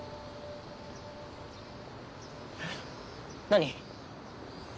何？